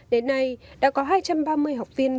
đến nay đã có hai trăm ba mươi học viên tuốt nghiệp tài chính